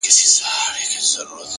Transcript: خاموش سکوت ذهن روښانه کوي,